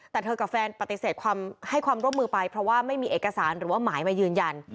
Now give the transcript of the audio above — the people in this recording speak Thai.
แต่เธอกับแฟนปฏิเสธให้ความร่วมมือไปเพราะว่าไม่มีเอกสารหรือว่าหมายมายืนยัน